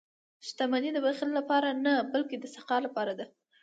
• شتمني د بخل لپاره نه، بلکې د سخا لپاره ده.